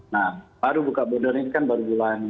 nah baru buka bodor ini kan baru bulan